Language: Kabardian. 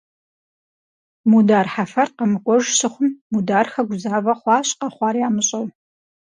Мудар Хьэфэр къэмыкӀуэж щыхъум Мудархэ гузавэ хъуащ къэхъуар ямыщӀэу.